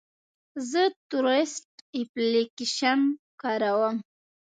زه تورسټ اپلیکیشن کاروم.